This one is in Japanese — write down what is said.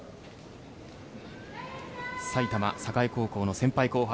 埼玉栄高校の先輩・後輩。